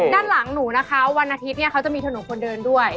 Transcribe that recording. ด้านหลังหนูวันอาทิตย์มีธนุคนเดินด้วย